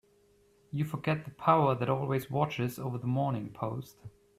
You forget the power that always watches over the Morning Post.